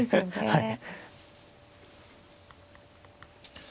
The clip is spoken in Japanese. はい。